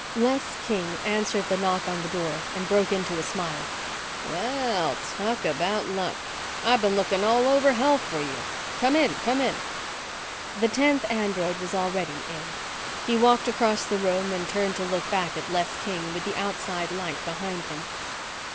Les King answered the knock on the door and broke into a smile. "Well, talk about luck! I've been looking all over hell for you. Come in. Come in." The tenth android was already in. He walked across the room and turned to look back at Les King with the outside light behind him.